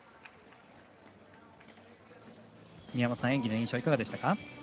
宮本さん、演技の印象はいかがでしたか。